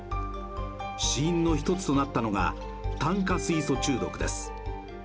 死因の１つとなったのが炭化水素中毒です。